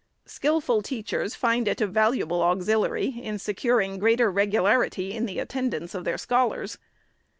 Skilful teachers find it a valuable auxiliary in securing greater regularity in the attendance of the scholars.